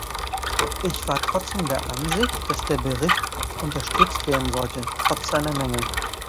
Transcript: Ich war trotzdem der Ansicht, dass der Bericht unterstützt werden sollte, trotz seiner Mängel.